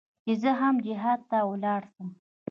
چې زه هم جهاد ته ولاړ سم.